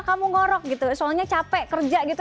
kamu ngorok gitu soalnya capek kerja gitu